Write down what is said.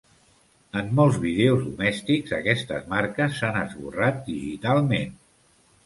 En molts vídeos domèstics, aquestes marques s'han esborrat digitalment.